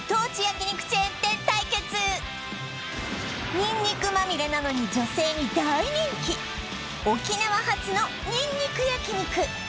にんにくまみれなのに女性に大人気沖縄発のにんにく焼肉